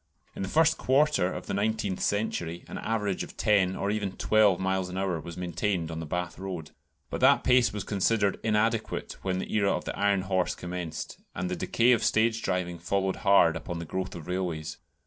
In the first quarter of the nineteenth century an average of ten or even twelve miles an hour was maintained on the Bath Road. But that pace was considered inadequate when the era of the "iron horse" commenced, and the decay of stage driving followed hard upon the growth of railways.